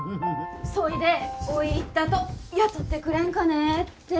そいでおい言ったと雇ってくれんかねえって